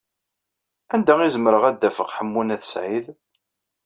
Anda ay zemreɣ ad d-afeɣ Ḥemmu n At Sɛid?